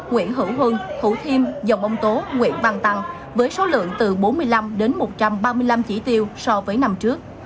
nguyễn hữu huân thủ thiêm dòng ông tố nguyễn văn tăng với số lượng từ bốn mươi năm đến một trăm ba mươi năm chỉ tiêu so với năm trước